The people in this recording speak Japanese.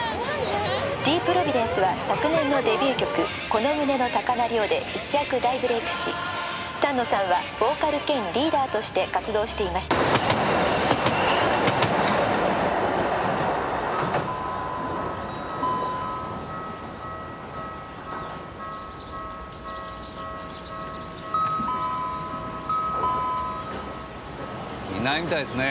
「ＤｅｅＰｒｏｖｉｄｅｎｃｅは昨年のデビュー曲『この胸の高鳴りを』で一躍大ブレイクし丹野さんはボーカル兼リーダーとして活動していました」いないみたいですねぇ。